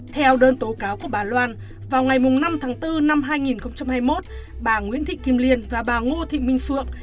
theo đơn tố cáo của bà loan vào ngày năm tháng bốn năm hai nghìn hai mươi một bà nguyễn thị kim liên và bà ngô thị minh phượng